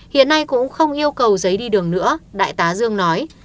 hiện nay cũng không yêu cầu giấy đi đường nữa đại tá dương nói